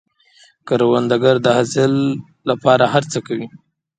کروندګر د حاصل له پاره هر څه کوي